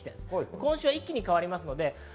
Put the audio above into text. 今週一気に変わります。